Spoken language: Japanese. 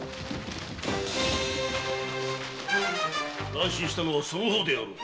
乱心したのはその方であろう。